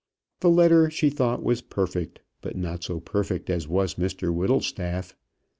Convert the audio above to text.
The letter she thought was perfect, but not so perfect as was Mr Whittlestaff.